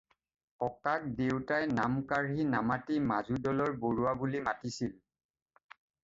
ককাক দেউতাই নাম কাঢ়ি নামাতি মাজুদলৰ বৰুৱা বুলি মাতিছিল।